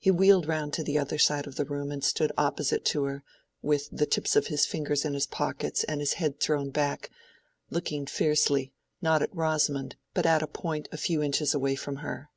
He wheeled round to the other side of the room and stood opposite to her, with the tips of his fingers in his pockets and his head thrown back, looking fiercely not at Rosamond but at a point a few inches away from her.